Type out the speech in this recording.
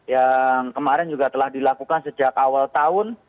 yang kemarin juga telah dilakukan sejak awal tahun